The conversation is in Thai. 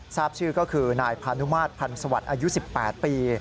ทราบชื่อก็คือนายพานุมาตรพันธ์สวัสดิ์อายุ๑๘ปี